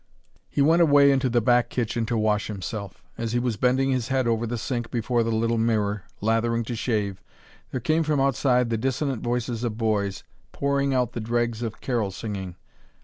He went away into the back kitchen to wash himself. As he was bending his head over the sink before the little mirror, lathering to shave, there came from outside the dissonant voices of boys, pouring out the dregs of carol singing.